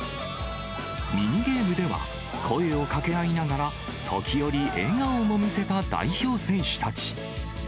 ミニゲームでは、声を掛け合いながら、時折、笑顔も見せた代表選手たち。